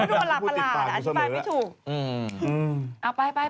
ฮเสนาถึงพลาดอธิบายไม่ถูก